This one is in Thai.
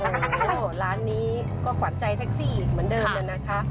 โอ้โหร้านนี้ก็ขวัญใจแท็กซี่อีกเหมือนเดิมน่ะนะคะ